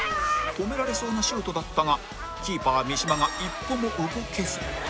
止められそうなシュートだったがキーパー三島が一歩も動けず